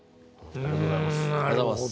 ありがとうございます。